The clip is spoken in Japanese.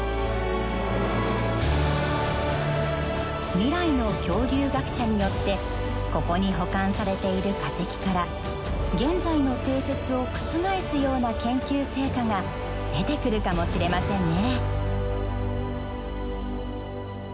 未来の恐竜学者によってここに保管されている化石から現在の定説を覆すような研究成果が出てくるかもしれませんね。